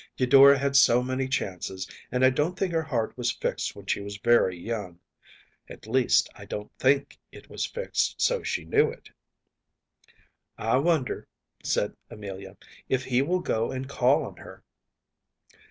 “Eudora had so many chances, and I don’t think her heart was fixed when she was very young; at least, I don’t think it was fixed so she knew it.‚ÄĚ “I wonder,‚ÄĚ said Amelia, “if he will go and call on her.